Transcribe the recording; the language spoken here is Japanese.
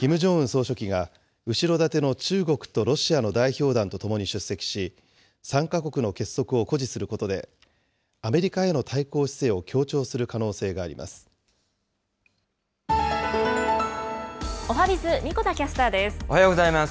総書記が、後ろ盾の中国とロシアの代表団と共に出席し、３か国の結束を誇示することで、アメリカへの対抗姿勢を強調するおはＢｉｚ、神子田キャスタおはようございます。